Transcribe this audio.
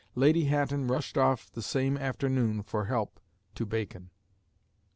Lady Hatton rushed off the same afternoon for help to Bacon.